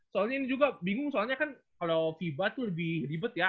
soalnya ini juga bingung soalnya kan kalau viva itu lebih ribet ya